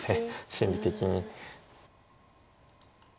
心理的に。